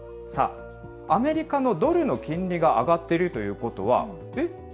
さあ、アメリカのドルの金利が上がっているということは、えっ？